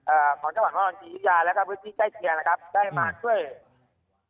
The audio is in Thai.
เอ่อของเจ้าหวัดมหลวงศรีศรียาแล้วกับวิธีใจเทียนนะครับได้มาช่วย